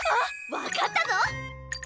わかったぞ！